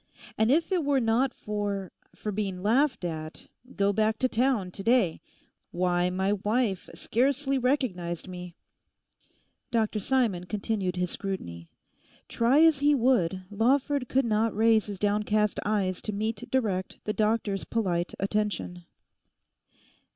And if it were not for—for being laughed at, go back to town, to day. Why my wife scarcely recognised me.' Dr Simon continued his scrutiny. Try as he would, Lawford could not raise his downcast eyes to meet direct the doctor's polite attention.